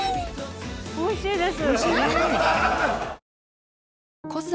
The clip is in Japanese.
おいしいです。